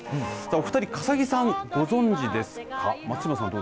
お２人、笠置さんご存じですか。